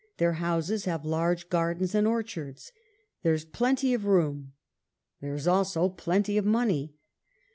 Their houses have large gardens and orchards. There is plenty of room. There is, also, plenty of money.